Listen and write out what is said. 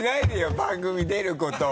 番組出ることを。